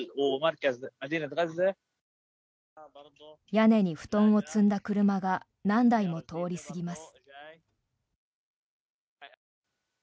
屋根に布団を積んだ車が何台も通り過ぎます。